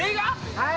はい。